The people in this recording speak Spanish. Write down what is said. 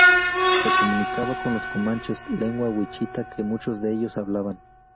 Se comunicaba con los comanches en lengua wichita que muchos de ellos hablaban.